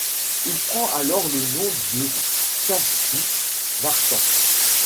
Il prend alors le nom de Khatchik Vartan.